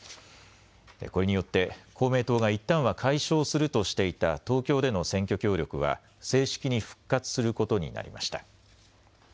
これによって公明党がいったんは解消するとしていた東京での選挙協力は正式に復活することになりました。